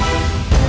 lihat ini rumahnya